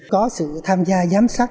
có sự tham gia giám sát